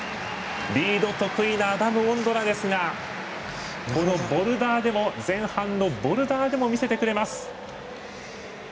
リード得意なアダム・オンドラですがこのボルダーでも前半のボルダーでも見せてくれます！